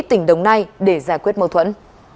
tỉnh đồng nai để giải quyết mâu thuẫn